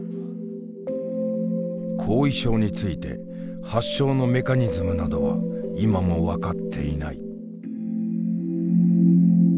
後遺症について発症のメカニズムなどは今も分かっていない。